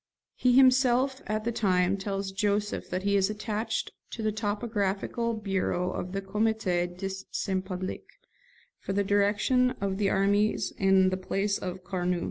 He himself at the time tells Joseph that he is attached to the topographical bureau of the Comité de Saint Public, for the direction of the armies in the place of Carnot.